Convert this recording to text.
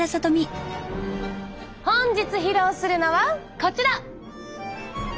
本日披露するのはこちら！